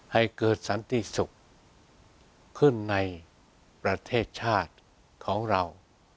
ให้เกิดสันติสุขขึ้นในประเทศชาติของเรา